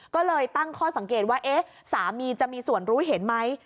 ก็เลยตั้งข้อสังเกตว่าสามีจะมีส่วนรู้เห็นไหม